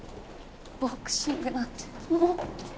ボクシングなんてもう！